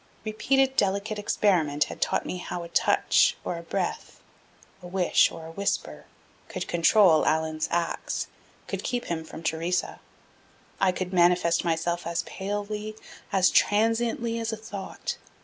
Repeated delicate experiment had taught me how a touch or a breath, a wish or a whisper, could control Allan's acts, could keep him from Theresa. I could manifest myself as palely, as transiently, as a thought.